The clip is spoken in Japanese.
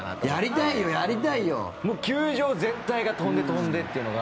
高橋：球場全体が飛んで、飛んでっていうのが。